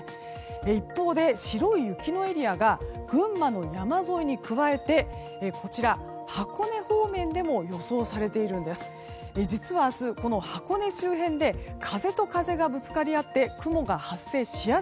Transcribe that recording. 一方で、白い雪のエリアが群馬の山沿いに加えて箱根方面でも予想されているんです。